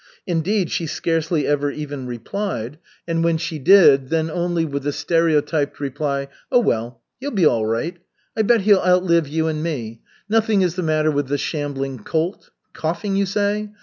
Indeed, she scarcely ever even replied, and when she did, then only with the stereotyped reply: "Oh, well, he'll be all right. I bet he'll outlive you and me. Nothing is the matter with the shambling colt. Coughing, you say!